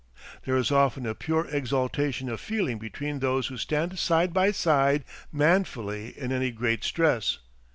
There is often a pure exaltation of feeling between those who stand side by side manfully in any great stress.